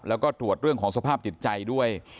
แล้วก็ตรวจเรื่องของสภาพจิตใจด้วย